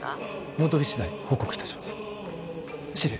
戻り次第報告いたします司令